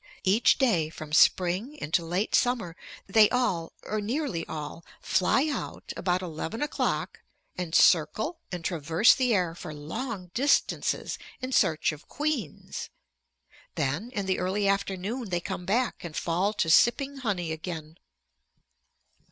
Each day from spring into late summer they all, or nearly all, fly out about eleven o'clock and circle and traverse the air for long distances in search of queens. Then in the early afternoon they come back and fall to sipping honey again.